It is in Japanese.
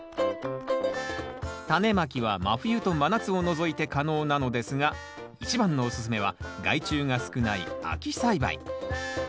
タネまきは真冬と真夏を除いて可能なのですが一番のおすすめは害虫が少ない秋栽培。